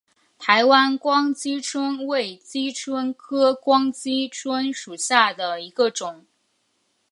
台湾光姬蝽为姬蝽科光姬蝽属下的一个种。